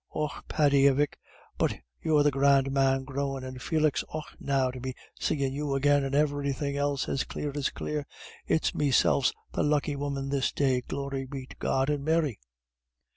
Och, Paddy, avic, but you're the grand man grown; and Felix, och now, to be seein' you agin, and everythin' else as clear as clear. It's meself's the lucky woman this day glory be to God and Mary."